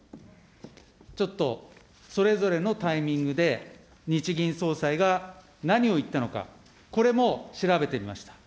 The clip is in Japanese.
ちょっと、それぞれのタイミングで日銀総裁が何を言ったのか、これも調べてみました。